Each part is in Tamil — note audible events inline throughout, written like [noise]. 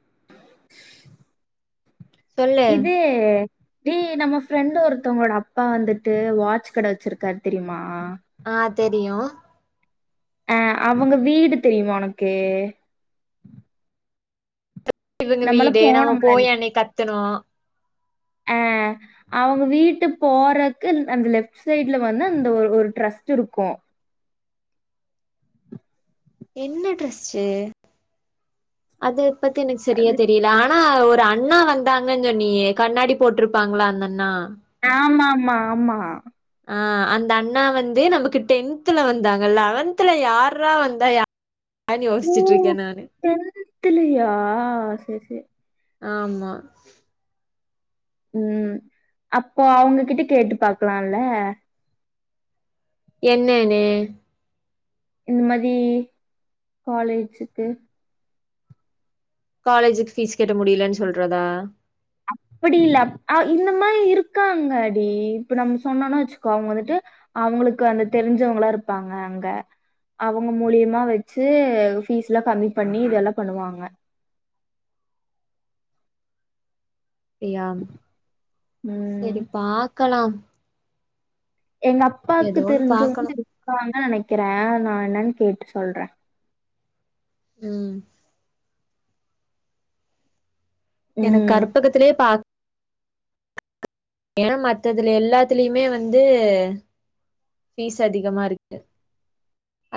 [inaudible] சொல்லு இது டு நம்ம ஃப்ரெண்ட் ஒருத்தவங்களோட அப்பா வந்துட்டு வாட்ச் கட வச்சிருக்காரு தெரியுமா ஆ தெரியு ஆ அவங்க வீடு தெரியுமா உனக்கு இ எங்க நம்மள வீடு நம்ம போனோம்ல போய் அன்னை கத்துனோ அ அவங்க வீட்டு போறக்கு அந் அந்த லெஃப்ட் சைட்ல வந்து இந்த ஒரு ஒரு ட்ரஸ்ட் இருக்கூ என்ன ட்ரஸ்டு அது ஒ பத்தி எனக்கு சரியா அது தெரியல ஆ னா ஒரு அண்ணா வந்தாங்கன் சொன்னியே கண்ணாடி போட்டுருப்பாங்களா அந்த அண்ணா ஆமாமா ஆமா ஆ அந்த அண்ணா வந்து நமக்கு டென்த்துல வந்தாங்க லெவன்த்ல யார்ரா வந்தா யா ஆ யோசிச்சிட்ருக்கே நானு டென்த்திலியா செர் சேர் ஆமா ம் அப்போ அவங்ககிட்ட கேட்டு பாக்கலால என்னனு இந்த மாதி காலேஜுக்கு காலேஜுக் ஃபீஸ் கட்டி முடியலன் சொல்றதா அப்பிடி இல்ல அ இந்த மாரி இருக்காங்க டி இப்ப நம் சொன்னோனா வச்சுக்கோ அவுங்க வந்துட்டு அவுங்களுக்கு வந்து தெரிஞ்சவங்களா இருப்பாங்க அங்க அவுங்க மூலியமா வச்சு ஃபீஸ்லா கம்மி பண்ணி இது எல்லா பண்ணுவாங்க அப்டியா ம். சேரி பாக்கலா எங்க அப்பாக்கு ஏதோன்னு தெரிஞ்ச பாக்கணு இருக்காங்க நெனைக்கிறே நா என்னன்னு கேட்டு சொல்றே ம் எனக்கு ம். கற்பகத்திலயே பா ஏனா மத்ததுல எல்லாத்துலயுமே வந்து ஃபீஸ் அதிகமா இருக்கு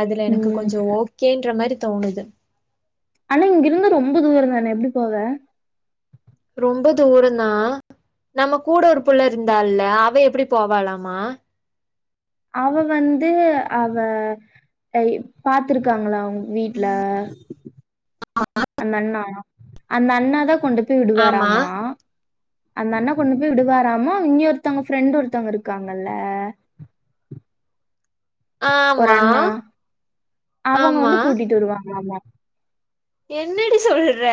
அதுல எனக்கு ம். கொஞ்சோ ஓகேன்ற மாரி தோணுது ஆனா இங்க இருந்து ரொம்ப தூர தானே எப்டி போவ ரொம்ப தூரந்தா நம்ம கூட ஒரு புள்ள இருந்தால அவ எப்டி போவாலாமா அவ வந்து அவ பாத்துருக்காங்களா அவுங்க வீட்ல அந்த அண்ணா அவுங்க அந்த அண்ணா தா கொண்டு போய் ஆமா விடுவாராமா அந்த அண்ணா கொண்டு போய் விடுவாராமா இங்க ஒருத்தவங்க ஃப்ரெண்ட் ஒருத்தவங்க இருக்காங்கல்ல ஒரு ஆமா அண்ணா அவுங்க ஆமா வந்து கூட்டிட்டு வருவாங்கலாமா என்னடி சொல்ற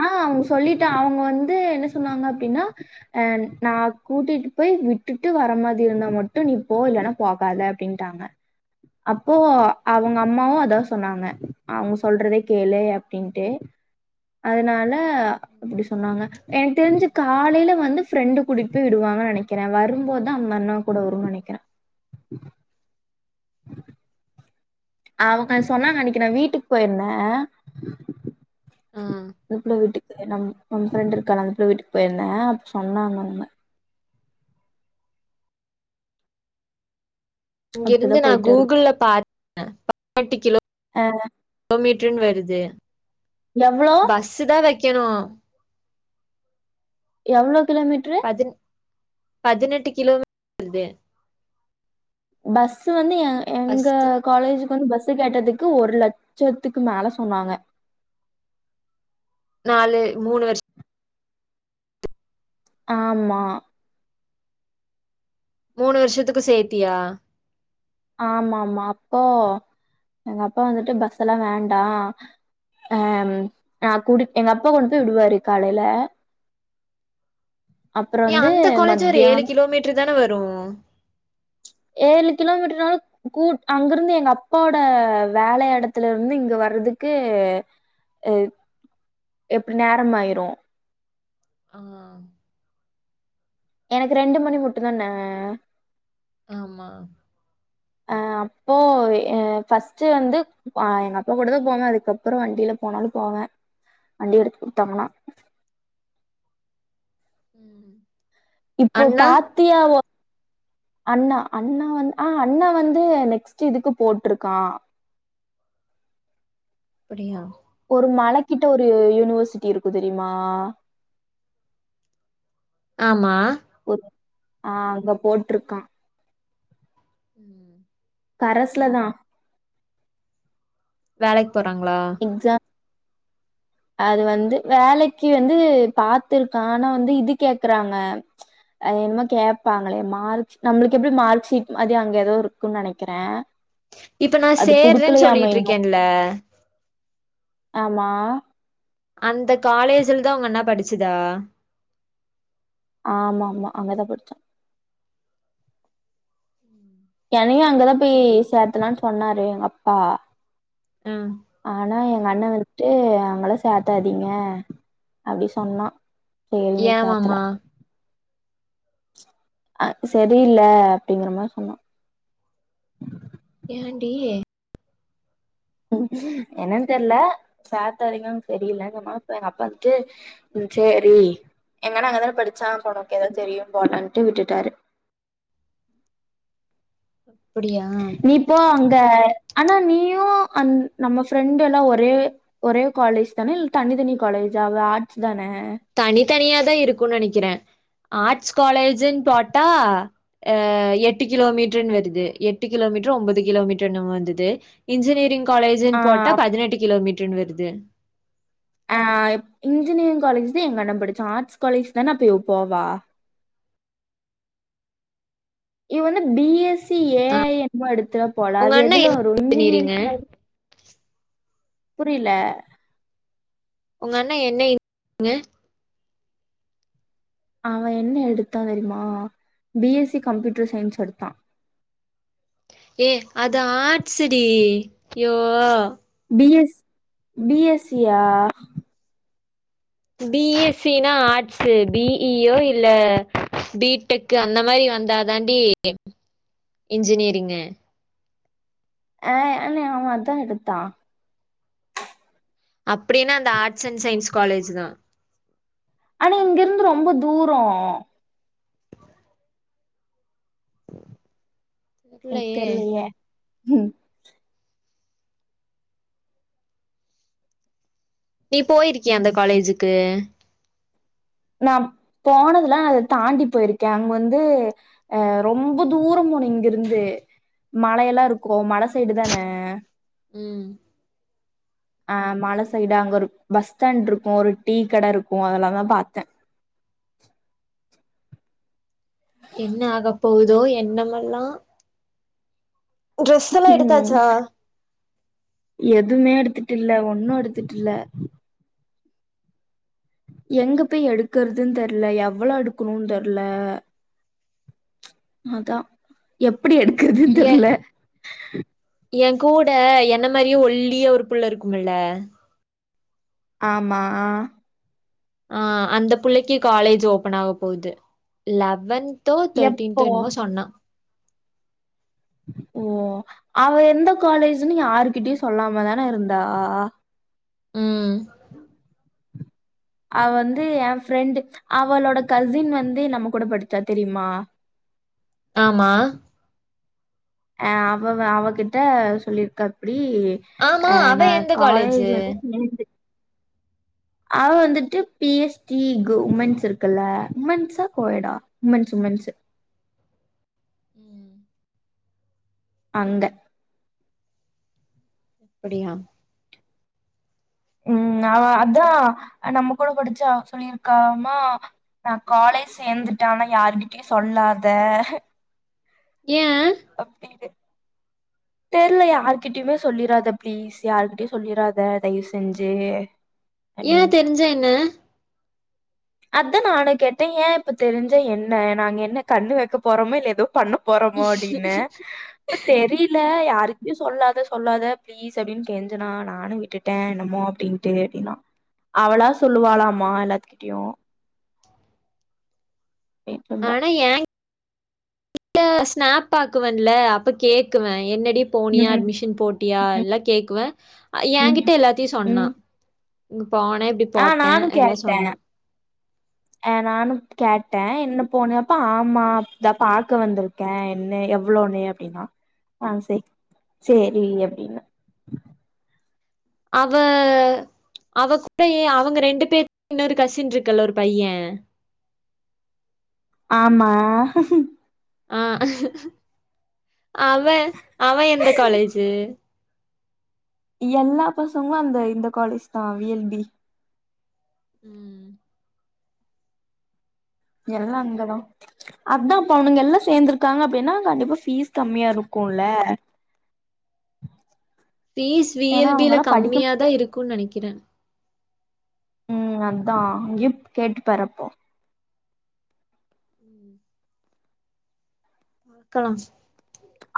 ஆ அவுங்க சொல்லிட்டா அவுங்க வந்து என்ன சொன்னாங்க அப்டின்னா அ நா கூட்டிட்டு போய் விட்டுட்டு வர மாரி இருந்தா மட்டு நீ போக இல்லனா போகாத அப்டின்ட்டாங்க அப்போ அவுங்க அம்மாவு அதா சொன்னாங்க அவுங்க சொல்றதே கேளு அப்டின்ட்டு அதுனால அப்டி சொன்னாங்க எனக்கு தெரிஞ்சு காலைல வந்து ஃப்ரெண்டு கூட்டிட்டு போய் விடுவாங்கன்னு நெனைக்கிறே வரும்போதா அந்த அண்ணா கூட வரும்னு நெனைக்கிறே அவுங்க சொன்னாங்க அன்னைக்கு நா வீட்டுக்கு போயிருந்தே ஆ அந்த புள்ள வீட்டுக்கு எ நம் நம் ஃப்ரெண்டு இருக்கால அந்த புள்ள வீட்டுக்கு போயிருந்தே அப்ப சொன்னாங்க அவங்க இங்க அப்டிதா இருந்து நா போயிட்டு வரு கூகுள்ள பாத்தே பதினேட்டு கிலோ ஆ ஒ மீட்டர்னு வருது எவ்ளோ பஸ்சு தா வக்கணு எவ்ளோ கிலோமீட்ரு பதின் பதினெட்டு கிலோ வருது பஸ்சு வந்து எ எங்க பஸ்ஸு காலேஜுக்கு வந்து பஸ்சு கேட்டதுக்கு ஒரு லட்சத்துக்கு மேல சொன்னாங்க நாலு மூணு வருஷ ஆமா மூணு வருஷத்துக்கு சேத்தியா ஆமா ஆமா அப்போ எங்க அப்பா வந்துட்டு பஸ் எல்லா வேண்டா அம் ஆ கூடி எங்க அப்பா கொண்டு போய் விடுவாரு காலைல அப்றோ ஏ வந்து அந்த காலேஜ் ஒரு ஏழு மத்தியானோ கிலோ மீட்டர் தானே வரு ஏழு கிலோமீட்ரு நாலு கூட் அங்கிருந்து எங்க அப்பாவோட வேல எடத்துல இருந்து இங்க வர்றதுக்கு அ எப்டி நேரம் ஆயிரு ஆ எனக்கு ரெண்டு மணி முட்டு தானே ஆமா ஆ அப்போ ஃபர்ஸ்ட்டு வந்து எங்க அப்பா கூட தா போதே இப்போ அப்றம் வண்டியில போனாலு போவேன் வண்டி எடுத்து குடுத்தாங்கனா ம் இப்போ அண்ணா பாத்தியாவ அண்ணா அண்ணா வந்து ஆ அண்ணா வந்து நெக்ஸ்ட் இதுக்கு போட்டிருக்கான் அப்பிடியா ஒரு மலை கிட்ட ஒரு யூனிவர்சிட்டி இருக்கு தெரியுமா ஆமா ஆ அங்க போட்டிருக்கான் ம் கரஸ்ல தான் வேலைக்கு போறாங்களா எக்ஸாம் அது வந்து வேலைக்கு வந்து பாத்துருக்கான் ஆனா வந்து இது கேக்குறாங்க அது என்னமோ கேட்பாங்களே மார்க் நம்மளுக்கு எப்படி மார்க்க்ஷீட் மாறி அங்க ஏதோ இருக்குன்னு நினைக்கிறேன் இப்ப நான் சேர்றேன்னு சொல்லிட்டு இன்னும். இருக்கேன்ல ஆமா அந்த காலேஜ்ல தான் உங்க அண்ணா படிச்சதா ஆமா ஆமா அங்கதான் படிச்சேன் ம் என்னயும் அங்கதான் போய் சேர்த்தலாம்னு சொன்னாரு எங்க அப்பா ம் ஆனா எங்க அண்ணன் இருந்துட்டு அங்களாம் சேத்தாதீங்க அப்படினு சொன்னான் சரின்னு சொல்லி ஏவா சேர்த்தல. மா அ சரியில்ல அப்படிங்கற மாறி சொன்னான் ஏண்டி என்னன்னு தெரியல சேத்தாதிங்கனு சரியில்லங்கமாறி எங்க அப்பாக்கிட்டு ம் செரி எங்கண்ணன் அங்கதானே படிச்சா அப்ப அவனுக்கு தெரியும் போவேனான்ட்டு விட்டுட்டாரு அப்பிடியா நீ போ அங்க ஆனா நீயும் அந் நம்ம ஃப்ரெண்டு எல்லாம் ஒரே ஒரே காலேஜ் தானே இல்ல தனி தனி காலேஜா அவ ஆர்ட்ஸ் தானே தனித்தனியா தான் இருக்கும்ன்னு நினைக்கிறேன் ஆர்ட்ஸ் காலேஜன்னு போட்டா அ எட்டு கிலோமீட்டர்ன்னு வருது எட்டு கிலோமீட்டர் ஒன்பது கிலோமீட்டர்ன்னு வந்தது இன்ஜினியரிங் ஆ காலேஜுன்னு போட்டா பதினெட்டு கிலோமீட்டர்ன்னு வருது ஆ இன்ஜினியரிங் காலேஜ் தான் எங்க அண்ணா படிச்சான் ஆர்ட்ஸ் காலேஜ் தான அப்ப இவ போவா இவ என்ன பி எஸ் சி ஏ என்னமோ எடுத்தா போலா உங்க அது அண்ணா எதுல என்ன வரும் இன்ஜினியரிங்கு? இஞ்சினியரிங்ல புரியில உங்க அண்ணா என்ன [inaudible] இங்க அவன் என்ன எடுத்தான் தெரியுமா B S C computer science எடுத்தான் ஏ அது ஆர்ட்ஸ் டி யோ பி எஸ் பி எஸ் சியா பி எஸ் சி னா ஆர்ட்ஸு பி இ யோ இல்ல பீ டெக்கு அந்த மாரி வந்தா தாண்டி இன்ஜினியரிங்கு அ ஆமா அவ அதா எடுத்தா அப்டின்னா அந்த ஆர்ட்ஸ் அண்ட் சயின்ஸ் காலேஜ் தா ஆனா இங்கிருந்து ரொம்ப தூரோ என்க் தெர்லயே ம் நீ போயிருக்கியா அந்த ம் காலேஜ்ஜிக்கு நா போனதுல்ல அத தாண்டி போயிருக்கே அங்க வந்து அ ரொம்ப தூரம் போணும் இங்கிருந்து மலையெல்லாம் இருக்கும் மல சைடு தான ம் அ மல சைய்டா அங்கொரு பஸ்டாண்ட்ருக்கும் ஒரு டீ கடருக்கும் அதுல்லா தா பாத்த என்ன ஆக போவ்தோ என்னமெல்லா ட்ரெஸ் எல்லா ம் எடுத்தாச்சா எதுமே எடுத்துட்டில்ல ஒன்னு எடுத்துட்டில்ல எங்க போய் எடுக்கறதுன் தெர்ல எவ்ளோ எடுக்கணு தெர்ல அதா எப்பிடி எடுக்குறதுன் தெர்ல என் கூட என்ன மரியே ஒல்லிய ஒரு புள்ள இருக்குமுல்ல ஆமா ஆ அந்த புள்ளைக்கு காலேஜ் ஓப்பன் ஆக போவ்து லவன்த் தோ எப்போ தேர்டீன்த்தோ என்னமோ சொன்னா ஓ அவ எந்த காலேஜ்ன் யாருகிட்டயும் சொல்லாமதான இருந்தா ம் அவ வந்து என் ஃப்ரெண்டு் அவளோட கசின் வந்து நம்ம கூட படிச்சா தெரியுமா ஆமா அ அவ வ அவகிட்ட சொல்லிருக்கா அப்டி ஆமா அ நா அவ எந்த காலேஜு காலேஜ் வந்து சேந்து அவ வந்துட்டு பி எஸ் டி கு உமன்ஸ் இருக்குல்ல உமன்ஸா கோ எட்டா உமன்ஸ் உமன்ஸ்ஸு ம் அங்க அப்படியா ம் அவ அதா நம்ம கூட படிச்சா சொல்லியிருக்காம நா காலேஜ் சேந்துட்ட ஆனா யாருகிட்டயும் சொல்லாத ஏன் தெர்லயே ஆருகிட்டயுமே சொல்லிராத ப்ளீஸ் யாருகிட்டயும் சொல்லிராத தயவு செஞ்சு ஏன் அப்டின்னு. தெரிஞ்சா என்ன அதா நானு கேட்ட ஏன் இப்ப தெரிஞ்சா என்ன நாங்க என்ன கண்ணு வெக்க போறோமா இல்ல எதோ பண்ண போறமோ அப்டின்னு இப்ப தெரில யாருக்கிட்யும் சொல்லாத சொல்லாத ப்ளீஸ் அப்டின் கெஞ்சனா நானும் விட்டுட்ட என்னமோ அப்டின்ட்டு அப்டின்னா சொல்லுவாளாமா எல்லாத்துக்கிட்டயும் இர்க்குந்தா ஏன் [inaudible] கிட்டா ஸ்னாப் ஆக்குவன்ல அப்ப கேக்குவ என்னடி ப் போனியே ம், அட்மிஷன் போட்டியா ம், எல்லா கேக்குவே ம், எங்கிட்ட எல்லாத்தையும் சொன்னா ம். இங்க போன இப்டி ஆ போட்ட நானும் எல்லா கேட்டேன். சொன்னா அ நானு கேட்ட என்ன போனேயப்ப ஆமா அதா பாக்க வந்திருக் க்க என்ன எவ்ளோன்னு அப்டின்னா ஆ செர் சேரி அப்டின்ன அவ அவ கூடயே அவங்க ரெண்டு பேரு இன்னொரு கசின் இருக்குல்ல ஒரு பைய ஆமா ஆ அவன் அவே எந்த காலேஜு எல்லா பசங்ளு அந்த இந்த காலேஜ்தா வி எல் டி ம் எல்லா இங்கதா அதா அப்ப அவனுங்க எல்லா சேர்ந்துருக்காங்க அப்டினா கண்டிப்பா ஃபீஸ் கம்மியா இருக்குல ஃபீஸ் வி ஏன்னா எல் டி ல அவங்கல்லா படிக்க கம்மியாதா இருக்குன் நெனைக்கிற ம் அதா இப் கேட்டுப்பாரு அப்போ ம் இர்க்கலா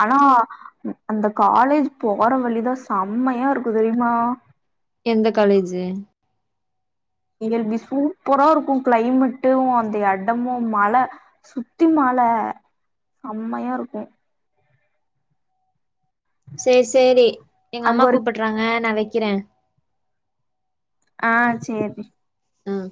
ஆனா அந்த காலேஜ் போற வழிதா சம்மையா இருக்கு தெரியுமா எந்த காலேஜு வி எல் டி சூப்பரா இருக்கு கிளைமட்டேவு அந்த எடமு மல சுத்தி மல சம்மையா இருக்கு சேர் சேரி எங்க அங்க அம்மா ஒரு கூப்புட்றாங்க நா வைக்கிற ஆ சேரி ம்